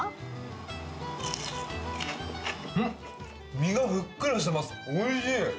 身がふっくらしていますおいしい。